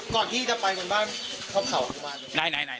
ก่อนที่จะไปบนบ้านเข้าเข่ากับกุมารหน่อย